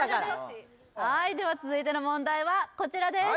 はいでは続いての問題はこちらです